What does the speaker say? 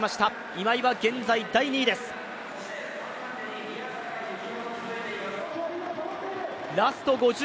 今井は現在第２位ですラスト５０